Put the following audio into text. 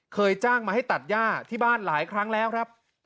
จ้างมาให้ตัดย่าที่บ้านหลายครั้งแล้วครับ